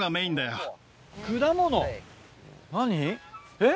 えっ？